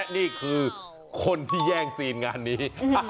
นี่คือคนที่แย่งซีนงานนี้